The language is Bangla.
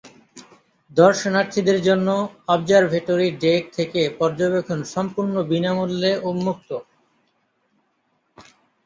দর্শনার্থীদের জন্য অবজারভেটরি ডেক থেকে পর্যবেক্ষণ সম্পূর্ণ বিনামূল্যে উন্মুক্ত।